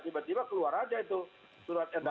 tiba tiba keluar aja itu surat edaran